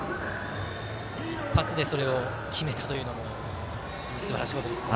一発でそれを決めたのもすばらしいことですね。